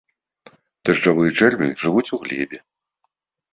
Дажджавыя чэрві жывуць у глебе.